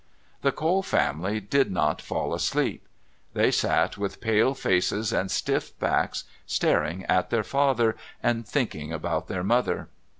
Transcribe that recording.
The Cole family did not fall asleep. They sat with pale faces and stiff backs staring at their father and thinking about their mother.